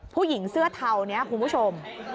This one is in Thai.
ผู้หญิงเสื้อเทานี้คุณผู้ชม